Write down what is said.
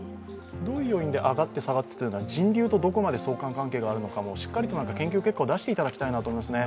どういう要因で上がって下がってというのは人流とどういう相関関係があるのかもしっかりと研究結果を出していただきたいと思いますね。